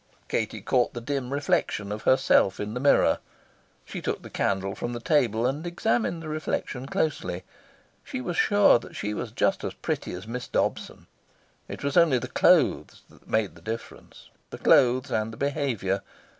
Katie caught the dim reflection of herself in the mirror. She took the candle from the table, and examined the reflection closely. She was sure she was just as pretty as Miss Dobson. It was only the clothes that made the difference the clothes and the behaviour.